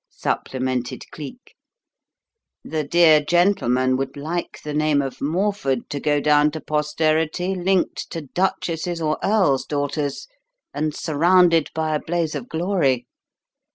supplemented Cleek. "The dear gentleman would like the name of Morford to go down to posterity linked to duchesses or earls' daughters, and surrounded by a blaze of glory.